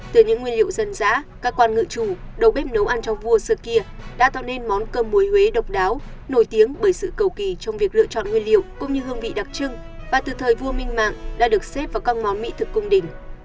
từ những nguyên liệu dân dã các quan ngự chủ đầu bếp nấu ăn cho vua sơ kia đã tạo nên món cơm muối huế độc đáo nổi tiếng bởi sự cầu kỳ trong việc lựa chọn nguyên liệu cũng như hương vị đặc trưng và từ thời vua minh mạng đã được xếp vào các món mỹ thực cung đình